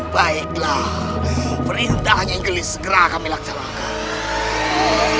baiklah perintahnya inggris segera kami laksanakan